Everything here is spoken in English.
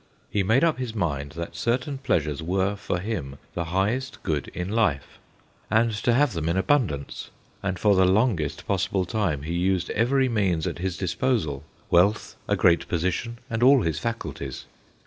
He made up his mind that certain pleasures were, for him, the highest good in life, and to have them in abundance and for the longest possible time he used every means at his disposal wealth, a great position, and all his faculties.